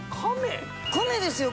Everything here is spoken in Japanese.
カメですよ